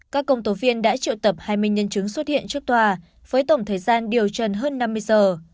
các công tố viên đã triệu tập hai mươi nhân chứng xuất hiện trước tòa với tổng thời gian điều trần hơn năm mươi giờ